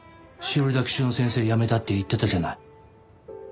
崎中の先生辞めたって言ってたじゃない。